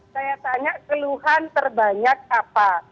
saya tanya keluhan terbanyak apa